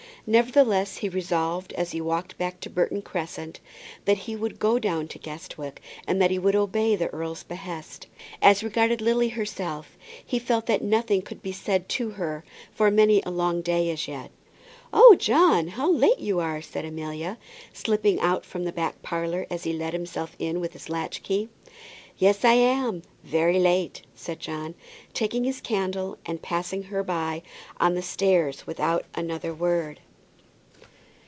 Nevertheless he resolved as he walked home to Burton Crescent that he would go down to Guestwick, and that he would obey the earl's behest. As regarded Lily herself he felt that nothing could be said to her for many a long day as yet. "Oh, John, how late you are!" said Amelia, slipping out from the back parlour as he let himself in with his latch key. "Yes, I am; very late," said John, taking his candle, and passing her by on the stairs without another word.